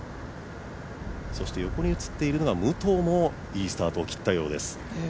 そして、横に映っているのが武藤もいいスタートを切ったようです。